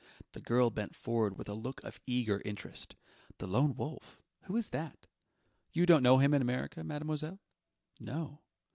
The girl bent forward with a look of eager interest. "The Lone Wolf? Who is that?" "You don't know him in America, mademoiselle?" "No...."